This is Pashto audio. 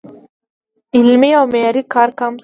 علمي او معیاري کار کم شوی